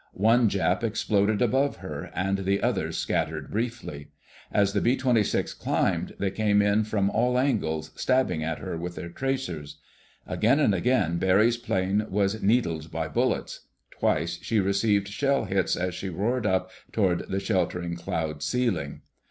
One Jap exploded above her, and the others scattered briefly. As the B 26 climbed, they came in from all angles, stabbing at her with their tracers. Again and again Barry's plane was needled by bullets. Twice she received shell hits as she roared up toward the sheltering cloud ceiling.